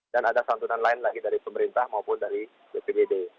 dan ada santunan lain lagi dari pemerintah maupun dari bpdd